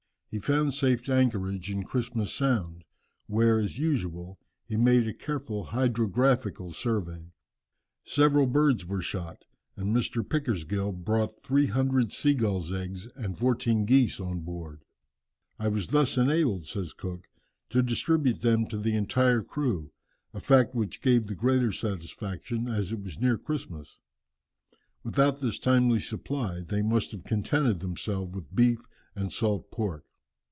He found safe anchorage in Christmas Sound, where as usual, he made a careful hydrographical survey. [Illustration: View of Christmas Sound.] Several birds were shot, and Mr. Pickersgill brought three hundred sea gull's eggs and fourteen geese on board. "I was thus enabled," says Cook, "to distribute them to the entire crew, a fact which gave the greater satisfaction as it was near Christmas. Without this timely supply, they must have contented themselves with beef and salt pork."